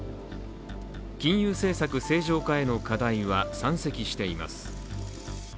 金融政策正常化への課題は山積しています。